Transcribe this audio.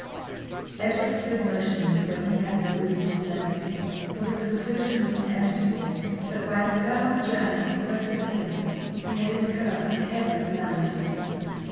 Edward stood motionless when he had perused this letter; for the conclusion was inevitable, that, by the Colonel's journey in quest of him, he had incurred this heavy calamity.